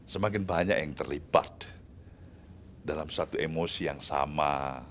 semakin banyak yang terlipat dalam satu emosi yang sama